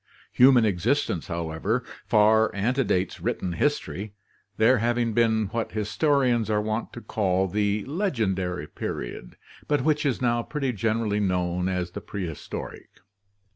Human existence, however, far antedates written history, there having been what historians are wont to call the legendary period, but which is now pretty gen erally known as the prehistoric.